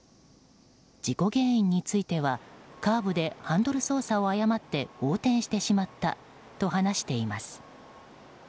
事故原因についてはカーブでハンドル操作を誤って横転してしまったと話しています。